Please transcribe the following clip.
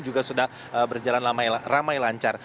juga sudah berjalan ramai lancar